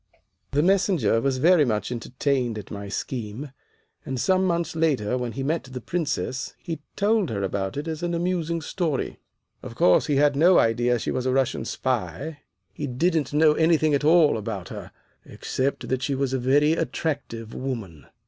The Messenger was very much entertained at my scheme, and some months later when he met the Princess he told her about it as an amusing story. Of course, he had no idea she was a Russian spy. He didn't know anything at all about her, except that she was a very attractive woman.